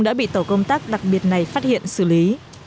đã bị tổ công tác đặc biệt này phát hiện xử lý